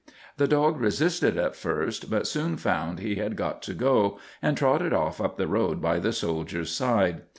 The dog resisted at first but soon found he had got to go and trotted off up the road by the soldier's side.